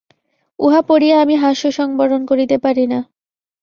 উহা পড়িয়া আমি হাস্য সংবরণ করিতে পারি না।